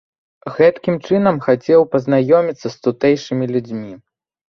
Гэткім чынам хацеў пазнаёміцца з тутэйшымі людзьмі.